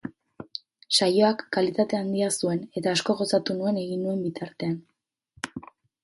Saioak kalitate handia zuen eta asko gozatu nuen egin nuen bitartean.